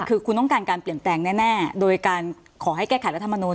คือคุณต้องการการเปลี่ยนแปลงแน่โดยการขอให้แก้ไขรัฐมนูล